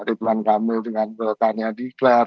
lalu kemudian pak ridwan kamil dengan belakangnya diklaer